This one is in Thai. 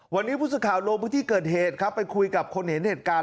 วันนี้พุธสุข่าวโรงพิธีเกิดเหตุไปคุยกับคนเห็นเหตุการณ์